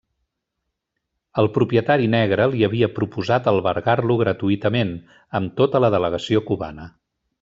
El propietari negre li havia proposat albergar-lo gratuïtament, amb tota la delegació cubana.